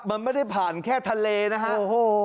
มันไม่ได้ผ่านแค่ทะเลนะครับ